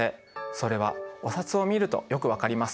それはお札を見るとよく分かります。